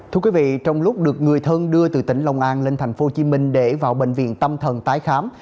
thưa quý vị trong lúc được người thân đưa từ tỉnh long an lên thành phố hồ chí minh để vào bệnh viện tâm thần tái khám